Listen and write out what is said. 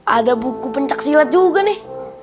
ada buku pencaksilat juga nih